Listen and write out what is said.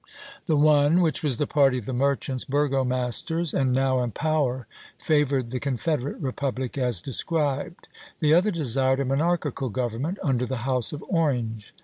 The one, which was the party of the merchants (burgomasters), and now in power, favored the confederate republic as described; the other desired a monarchical government under the House of Orange.